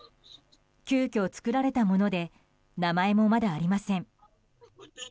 急きょ、作られたもので名前もまだありません。